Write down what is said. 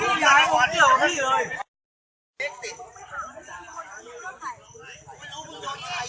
หล่อหล่อหล่อหล่อหล่อหล่อหล่อหล่อหล่อ